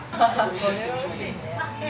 これは美味しいね。